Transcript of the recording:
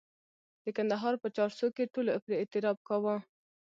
د کندهار په چارسو کې ټولو پرې اعتراف کاوه.